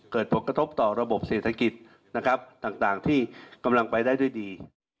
เกิดผลกระทบต่อระบบเศรษฐกิจนะครับต่างที่กำลังไปได้ด้วยดี